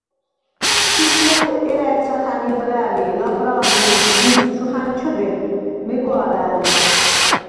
ციცვ ლახე კერა̄̈ჲცახა̈ნ იბრა̄̈ლ ი ლაბრა̄ლჟი შდიმს ჩუ ხა̈ნჩჷდე, მეგვა̄ლა̈ლ ლი.